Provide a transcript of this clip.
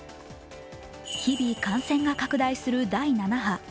日々、感染が拡大する第７波。